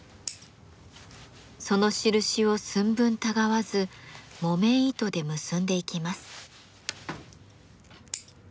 その印を寸分たがわず木綿糸で結んでいきます。